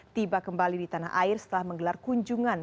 tiba kembali di tanah air setelah menggelar kunjungan